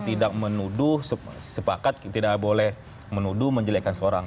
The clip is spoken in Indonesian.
tidak menuduh sepakat tidak boleh menuduh menjelekkan seseorang